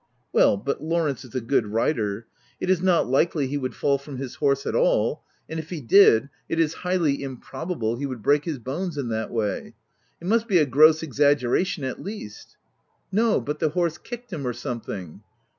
" Well, but Lawrence is a good rider; it is not likely he would fall from his horse at all 5 and if he did, it it is highly improbable he should break his bones in that way. It must be a gross exaggeration at least." " No, but the horse kicked him — or some thing."